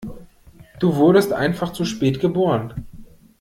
Du wurdest einfach zu spät geboren.